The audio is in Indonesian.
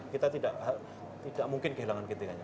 kita tidak mungkin kehilangan ketiganya